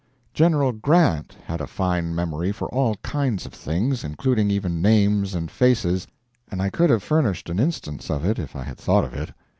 General Grant had a fine memory for all kinds of things, including even names and faces, and I could have furnished an instance of it if I had thought of it.